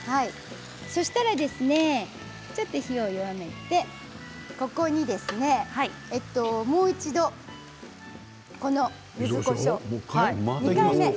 そしたら、ちょっと火を弱めてここにですね、もう一度このゆずこしょうを２回目。